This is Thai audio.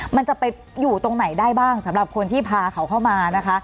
มันจะไปอยู่ตรงไหนได้บ้างสำหรับคนที่พาเขาเข้ามานะคะ